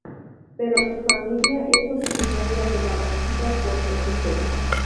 Pero su familia es originaria de Barranquitas, Puerto Rico.